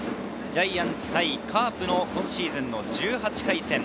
ジャイアンツ対カープの今シーズン１８回戦。